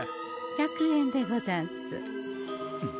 １００円でござんす。